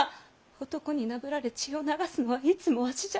男になぶられ血を流すのはいつもわしじゃ！